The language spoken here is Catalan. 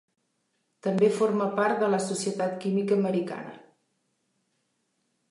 També forma part de la Societat Química americana.